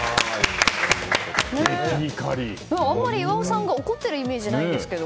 あんまり岩尾さんが怒っているイメージないんですけど。